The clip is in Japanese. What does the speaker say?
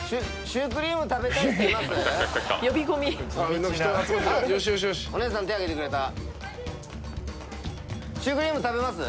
シュークリーム食べます？